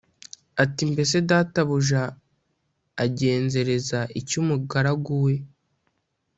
Ati “Mbese databuja agenzereza iki umugaragu we?